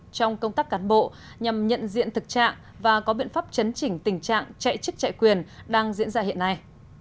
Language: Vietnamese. trong công tác cán bộ nhằm nhận diện thực trạng và có biện pháp chấn chỉnh tình trạng chạy chức chạy quyền đang diễn ra hiện nay